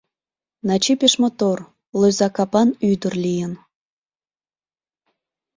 Начи пеш мотор, лӧза капан ӱдыр лийын.